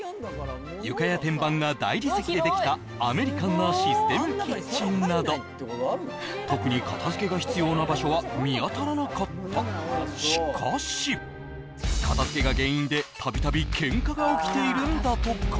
床や天板が大理石でできたなど特に片づけが必要な場所は見当たらなかったしかし片づけが原因でたびたびケンカが起きているんだとか